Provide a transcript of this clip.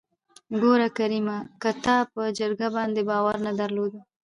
ګوره کريمه که تا په جرګه باندې باور نه درلوده.